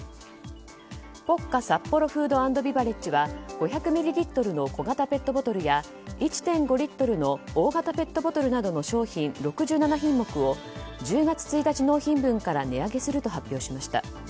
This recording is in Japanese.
ポッカサッポロフード＆ビバレッジは５００ミリリットルの小型ペットボトルや１．５リットルの大型ペットボトルなどの商品６７品目を１０月１日納品分から値上げすると発表しました。